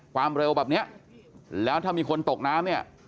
ความเร็วแบบเนี้ยแล้วถ้ามีคนตกน้ำเนี่ย